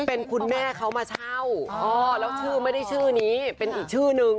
เป็นคุณแม่เขามาเช่าแล้วชื่อไม่ได้ชื่อนี้เป็นอีกชื่อนึง